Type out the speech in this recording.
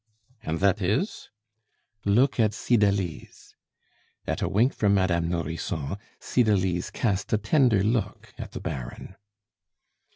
"And that is?" "Look at Cydalise." At a wink from Madame Nourrisson, Cydalise cast a tender look at the Baron.